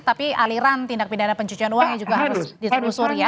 tapi aliran tindak pidana pencucian uangnya juga harus ditelusuri ya